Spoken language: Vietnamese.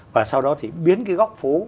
và sau đó thì biến cái góc phố